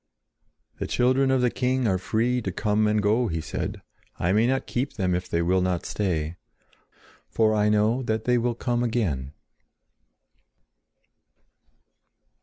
"The children of the king are free to come and go," he said. "I may not keep them if they will not stay; for I know that they will come again."